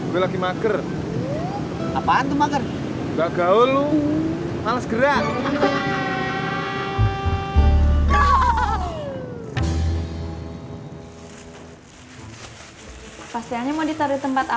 buat main sepeda